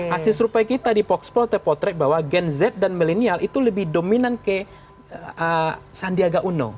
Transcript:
hasil serupai kita di voxpol terpotret bahwa gen z dan millennial itu lebih dominan ke sandiaga uno